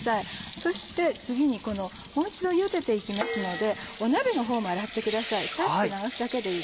そして次にもう一度ゆでていきますので鍋の方も洗ってください